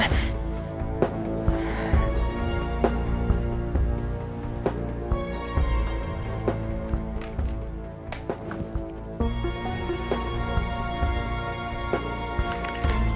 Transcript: iya kan bu atacama